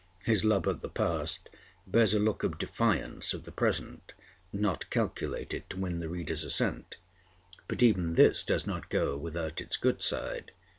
His love of the past bears a look of defiance of the present, not calculated to win the reader's assent. But even this does not go without its good side.